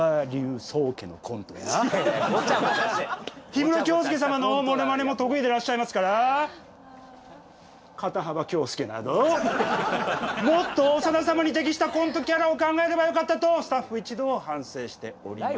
氷室京介様のものまねも得意でらっしゃいますから肩幅京介などもっと長田様に適したコントキャラを考えればよかったとスタッフ一同反省しております。